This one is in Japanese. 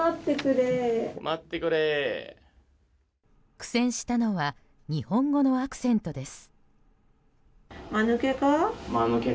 苦戦したのは日本語のアクセントです。